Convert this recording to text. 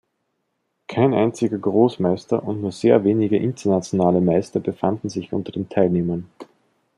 Kein einziger Großmeister und nur sehr wenige Internationale Meister befanden sich unter den Teilnehmern.